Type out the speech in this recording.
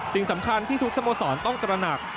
สิ่งสำคัญที่ทุกสโมสรต้องตระหนัก